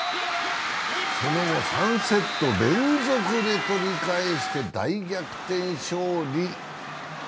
この後、３セット連続で取り返して大逆転勝利。